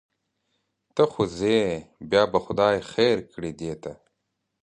ته خو ځې بیا به خدای خیر کړي دې ته.